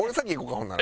ほんなら。